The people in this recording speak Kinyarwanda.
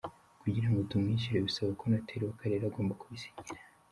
Kugirango tumwishyure bisaba ko noteri w’akarere agomba kubisinyira.